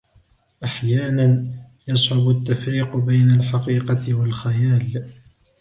أحيانا ، يصعب التفريق بين الحقيقة و الخيال.